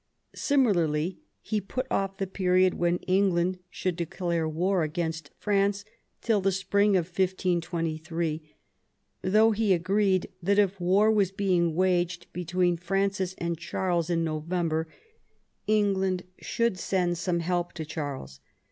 Similarly he put off the period when England should declare war against France till the spring of 1523, though he agreed that if war was being waged between Francis and Charles in November, England should send some help to Charles.